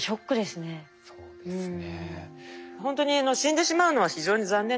そうですね。